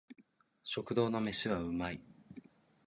食堂の飯は美味い